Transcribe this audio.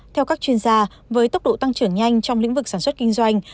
theo các chuyên gia với tốc độ tăng trưởng nhanh trong lĩnh vực sản xuất kinh doanh